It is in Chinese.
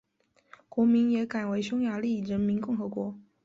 国名也改为匈牙利人民共和国。